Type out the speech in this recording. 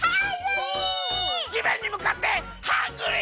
じめんにむかってハングリー！